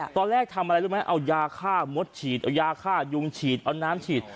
ตอนแรกทำอะไรรู้ไหมเอายาฆ่ามดฉีดเอายาฆ่ายุงฉีดเอาน้ำฉีด